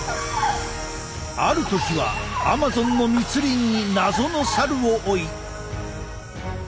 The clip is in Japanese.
ある時はアマゾンの密林に謎のサルを追い。